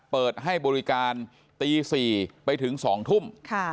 เปิดให้บริการตี๔ไปถึง๒ทุ่ม